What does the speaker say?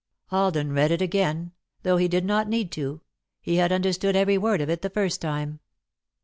Alden read it again, though he did not need to he had understood every word of it the first time.